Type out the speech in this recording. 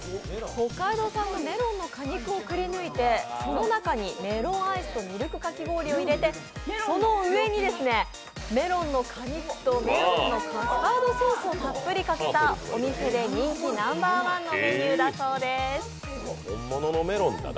北海道産のメロンの果肉をくりぬいてその中にメロンアイスとミルクかき氷を入れてその上に、メロンの果肉とメロンのカスタードソースをたっぷりかけた、お店人気ナンバーワンのメニュー出そうです。